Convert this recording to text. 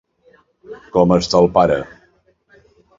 Com està el pare?